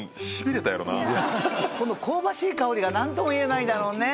この香ばしい香りが何ともいえないだろうね。